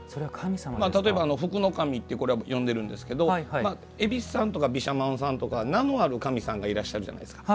例えば、福の神って呼んでるんですけど恵比寿さんとか毘沙門さんとか名のある神さんがいらっしゃるじゃないですか。